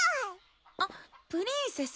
あっプリンセス！